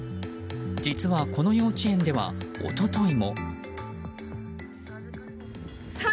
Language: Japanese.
実は、この幼稚園では一昨日も。